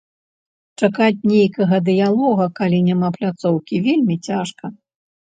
Чакаць нейкага дыялога, калі няма пляцоўкі, вельмі цяжка.